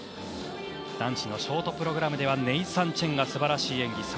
男子のショートプログラムではネイサン・チェンが素晴らしい演技。